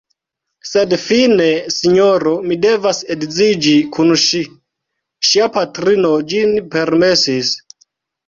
Sed fine, sinjoro, mi devas edziĝi kun ŝi; ŝia patrino ĝin permesis.